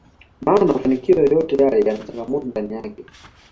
maana mafanikio yoyote yale yana changamoto ndani yake